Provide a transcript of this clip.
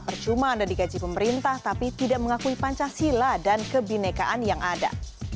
percuma anda digaji pemerintah tapi tidak mengakui pancasila dan kebinekaan yang ada